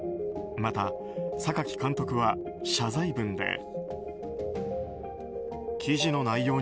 また榊監督は謝罪文で。